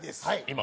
今。